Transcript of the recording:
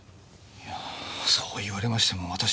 いやそう言われましても私には。